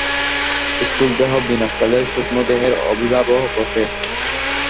স্থূলদেহ বিনাশ পাইলে সূক্ষ্মদেহের আবির্ভাব ঘটে।